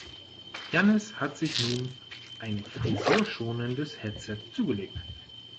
Jannis hat sich nun ein frisurschonendes Headset zugelegt.